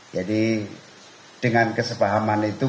jadi dengan kesepahaman itu